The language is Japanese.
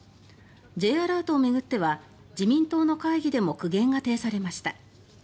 Ｊアラートを巡っては自民党の会議でも苦言が呈されました。